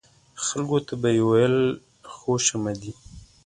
خلکو ته به یې ویل خوش آمدي.